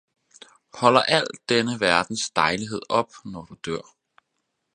Holder al denne verdens dejlighed op, når du dør?